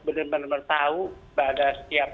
benar benar tahu pada setiap